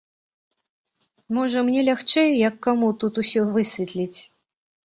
Можа, мне лягчэй, як каму, тут усё высветліць.